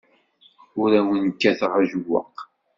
Ur awen-kkateɣ ajewwaq.